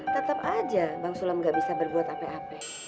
tetep aja bang sulam gak bisa berbuat ape ape